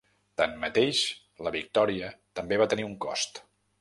Tanmateix, la victòria també va tenir un cost.